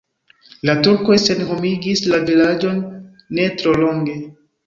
La turkoj senhomigis la vilaĝon ne tro longe.